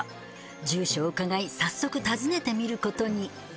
住所を伺い早速訪ねてみることに。